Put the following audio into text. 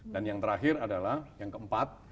dan yang terakhir adalah yang keempat